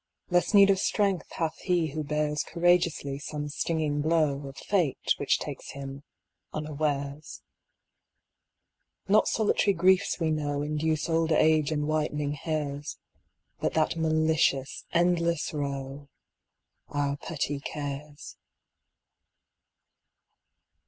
Less need of strength hath he who bears Courageously some stinging blow, Of Fate which takes him unawares. Not solitary griefs we know Induce old age and whitening hairs; But that malicious, endless row Our petty cares.